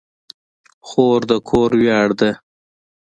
خور د کور ویاړ ده.